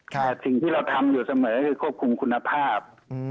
แต่สิ่งที่เราทำอยู่เสมอคือควบคุมคุณภาพ